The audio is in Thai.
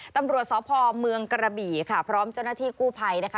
ตำรวจสพเมืองกระบี่ค่ะพร้อมเจ้าหน้าที่กู้ภัยนะคะ